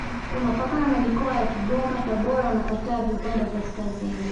Unapakana na mikoa ya Kigoma Tabora na Katavi upande wa kaskazini